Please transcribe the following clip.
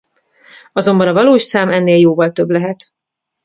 Azonban a valós szám ennél jóval több lehet.